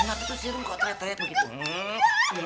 ngapain tuh si rum kok teriak teriak begitu